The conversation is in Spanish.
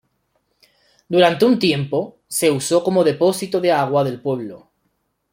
Durante un tiempo se usó como depósito de agua del pueblo.